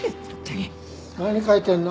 何書いてんの？